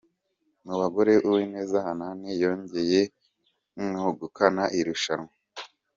Mu bagore Uwineza Hanani yongeye mwegukana iri rushanwa.